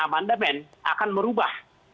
amandemen akan merubah